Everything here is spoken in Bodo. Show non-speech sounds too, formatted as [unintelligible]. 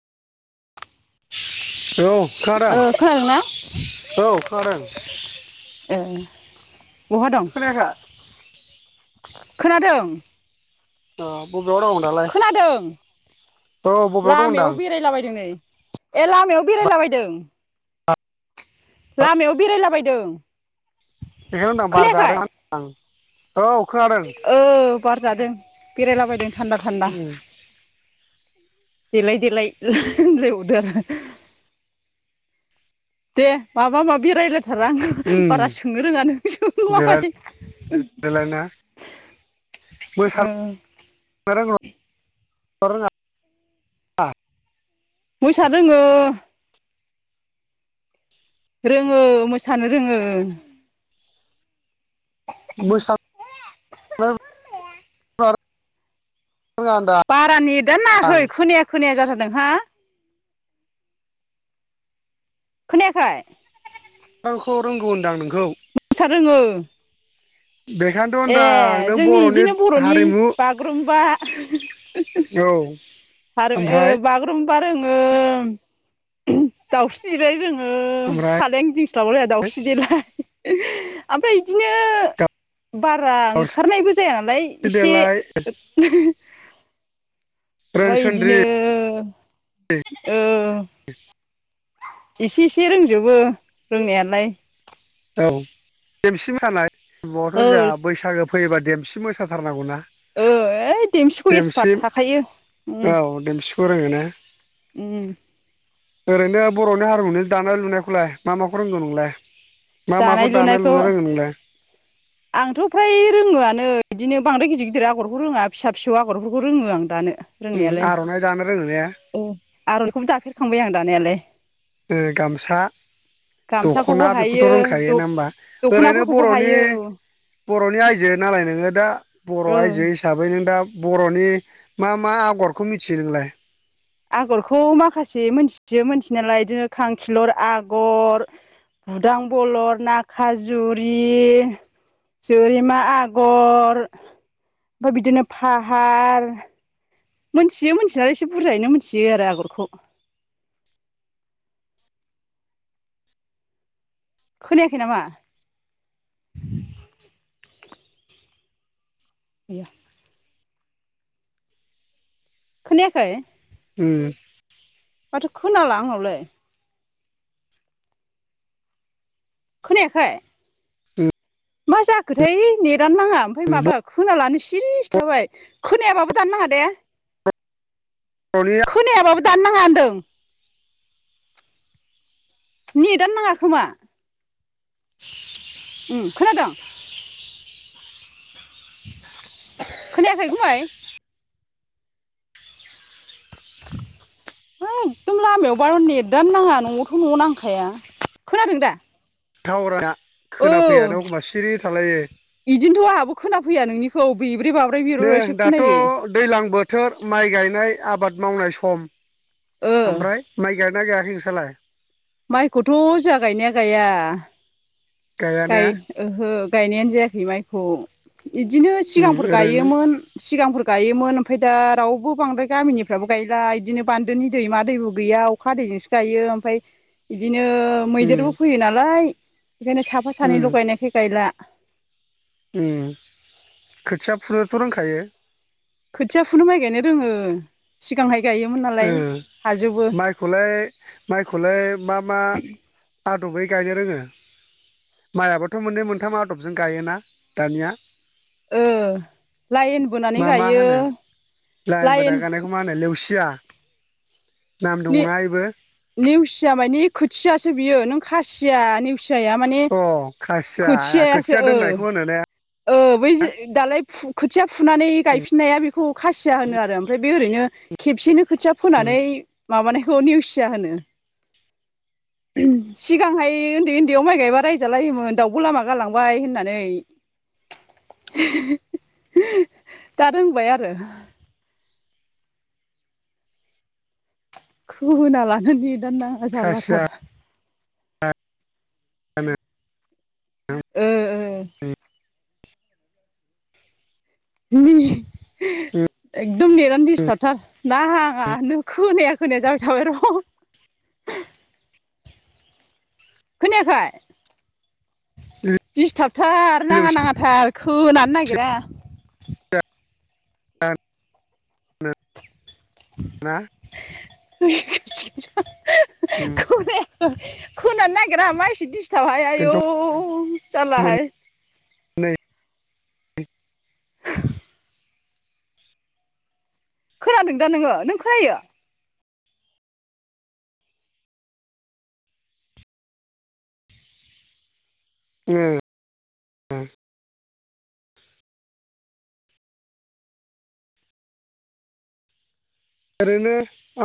औ ओ खोनादोंना? खोनादों औ खोनादों। [unintelligible] खोनायाखै? खोनादों। अ बबेयाव दं दालाय? खोनादों औ बबेयाव दं लामायाव होनदां बेरायलाबायदों नै ए लामायाव बेरायलाबायदों लामायाव बेरायलाबायदों। बेखोनो होनदो आं बार खोनायाखै? जादों आं औ खोनादों। ओ बार जादों बेरायलाबायदों थान्दा थान्दा। उम देलाय देलाय होनलायबावदो आरो। दे माबा माबि रायलाय सारा आं उम बारा सोंनो रोङा नों देलाय सोंलाबाय। देलाय ना मोसानो उम [unintelligible] मोसानो रोङो। रोङो मोसानो रोङो। मोसा [inaudible] रोङा होनदां बारा नेटदानो खै खोनाया खोनाया जाथारदों हा? खोनायाखै? ओखौ रोंगौ होनदांं नों मोसा रोङो बेखायथ' होनदां ए नों जोंनि बर'नि इदिनो बर'नि हारिमु बागुरुम्बा औ आरो ओ ओमफ्राय बागुरुम्बा रोङो दाउस्रि देलाय रों ङो ओमफ्राय सालायानो गिदिं स्लाबलाया दाउस्रि देलाय आमफ्राय इदिनो बारा दाउस्रि ओंखारनायबो जाया नालाय इसे देलाय ओमफाय रोनसोन्द्रि इदिनो एसे एसे रोंजोबो रोंनायालाय। औ देमसि मोसानाय [unintelligible] ओ जोंहा बैसागो फैयोबा देमसि मोसाथारनांगौ ना। ओ ओइ देमसिखौ एक्सपार्ट हाखायो उम औ देमसिखौ रोङो ने उम ओरैनो बर'नि हारिमुनि दानाय लुनायखौलाय मा माखौ रोंगौ नोंलाय? मा माखौ दानाय लुनो रोङो नोंलाय? आंथ' फ्राय रोङोआनो बिदिनो बांद्राय गिदिर गिदिर आगरखौ रोङा फिसा फिसौ आगरफोरखौ रोङो आं दानो। उम रोंनायालाय आर'नाइ दानो रोङो ने औ आर'नायखौबो दाफेरखांबाय आं दानायालाय गामसा गामसाखौबो दख'ना बेखौथ' हायो रोंखायो नङा होमबा ओरैनो दख'नाफोरखौबो बर'नि हायो बर'नि आइजो नालाय नोङो दा बर' औ आइजो हिसाबै नों दा बर'नि मा मा आगरखौ मिथियो नोंलाय? आगरखौ माखासे मोनथियो मिथिनायालाय बिदिनो खांखिलर आगर बुदां बलर ना खाजुरि जोरेमा आगर ओमफ्राय बिदिनो फाहार मोनथियो मिथिया एसे बुरजायैनो मोनथियो आरो आगरखौ खोनायाखै नामा? गैया खोनायाखै? उम माथो खोनाला आंनावलाय खोनायाखै? उम मा जाखोथाय नेटानो नाङा ओमफ्राय माबा खोनालानो सिरि थाबाय खोनायाबाबो दाननोनाङा दे बर'नि खोनायाबाबो दाननाङा होन्दों नेदानो नाङा खोमा उम खोनादोंं? खोनायाखै गुमै? [inaudible] है एकदम लामायाव बार नेटानो नाङा न'आवथ' न'आव नांखाया खोनादों दा? थावारा औ खोनाफैयानो एखनबा सिरि थालायो। इदिनोथ' आंहाबो खोनाफैया नोंनिखौ बेब्रे बाब्राय बेब्रे दे बाब्रायसो दाथ' खोनायो दैलां बोथ थोर माइ गायनाय आबाद मावनाय सम ओ ओमफ्राय माइ गाथ माइ गायाखै नोंसालाय? माइखौथ' जोहा गायनाया गाया। गाया ने गाय ओहो गायनायानो जायाखै माइखौ। बिदिनो उम सिगांफोर ओरैनो गायोमोन सिगांफोर गायोमोन आमफाय दा रावबो बांद्राय गामिनिफ्राबो गायला इदिनो बान्दोनि दैमा दैबो गैया अखा दैजोंसो गायो। ओमफाय इदि इदिनो उम मैदेरबो फैयो नालाय बेखायनो साफा उम सानैल' गायनायखाय गायला। उम खोथिया फुनोथ' रोंखायो? खोथिया फुनो माइ गायनो रोङो सिगांहाय गायोमोन ओ नालाय हाजोबो माइखौलाय माइखौलाय मा मा आदबै गायनो रोङो माइयाबोथ' मोननै मोनथाम आदबजों गायोना दानिया। ओ लाइन बोनानै मा मा गायो होनो लाइन बोना गानायखौ मा होनो लेवसिया? नाम ने दङना इबो नेवसिया मानि खोथियासो बियो नों खासिया निउ फिसाया माने अ खासिया खोथियासो खोथिया ओ दोननायखौ होनो ने ओ बैजो दालाय फु खोथिया फुनानै उम गायफिननाया बि खौ खासिया होनो आरो ओमफ्राय बे ओरैनो खबसेनो खोथिया उम फोनानै माबानायखौ नेवसिया होनो। सिगांहाय उन्दै उन्दैयाव माइ गायबा रायजालायोमोन दाउग' लामा गालांबाय होननानै। दा रोंबाय आरो। खोना लानो नेदानो नाङा खासिया जारलाथार। [unintelligible] उम ओ ओ। [unintelligible] नि एकदम नेेदानो उम दिस्थाबथार नाङाहानो खोनाया खोनाया जाबाय थाबाय र' खोनायाखोय दिस्टाबथार नाङा लेवसिया नाङाथार खोनानो नागिरा होनो [unintelligible] [unintelligible] उम खोनाया खोनानो नागिरा मा इसि दिस दिसथाबहाय आयौ बेनोथ' मोन जारलाहाय नै खोनादों दा नोङो नों खोनायो? ओ ओ। ओरैनो